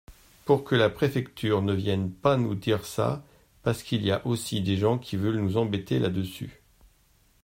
Pour que la préfecture ne viennent pas nous dire ça, parce qu’il y aussi des gens qui veulent nous embêter là-dessus.